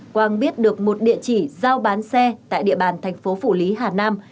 quang biết được một địa chỉ giao bán xe tại địa bàn thành phố phủ lý hà nam